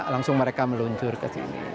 langsung mereka meluncur ke sini